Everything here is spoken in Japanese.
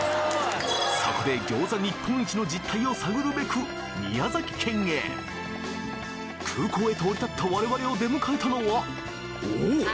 そこで餃子日本一の実態を探るべく宮崎県へ空港へと降りたった我々を出迎えたのはおお！